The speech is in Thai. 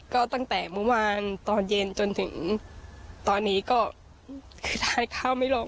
ก็ตั้งแต่เมื่อวานตอนเย็นจนถึงตอนนี้ก็คือทานข้าวไม่ลง